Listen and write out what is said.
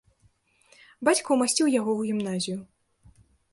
Бацька ўмасціў яго ў гімназію.